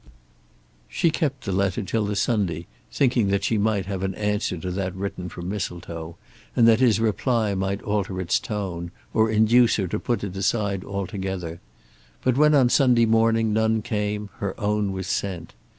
She kept the letter till the Sunday, thinking that she might have an answer to that written from Mistletoe, and that his reply might alter its tone, or induce her to put it aside altogether; but when on Sunday morning none came, her own was sent.